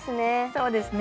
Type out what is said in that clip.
そうですね。